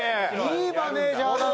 いいマネージャーだな。